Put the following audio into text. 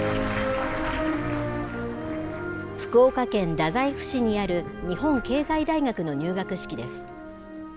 福岡県太宰府市にある日本経済大学の入学式です。